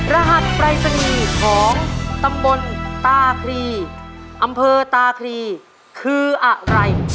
รหัสปรายศนีย์ของตำบลตาครีอำเภอตาครีคืออะไร